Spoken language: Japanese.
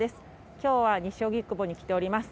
今日は西荻窪に来ております。